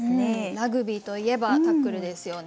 ラグビーといえばタックルですよね。